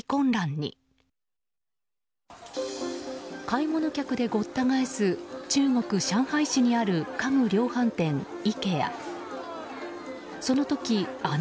買い物客でごった返す中国・上海市にある家具量販店イケア。